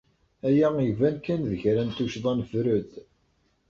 Aya iban kan d kra n tuccḍa n Freud.